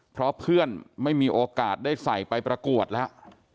เพราะเพื่อนไม่มีโอกาสได้ใส่ไปประกวดแล้ว